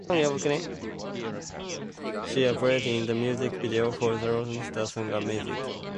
She appeared in the music video for the Lonestar song Amazed.